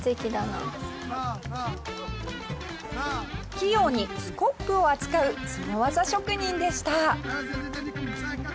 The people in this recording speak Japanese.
器用にスコップを扱うスゴ技職人でした。